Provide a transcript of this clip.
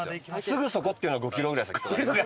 すぐそこっていうのが５キロぐらい先とか。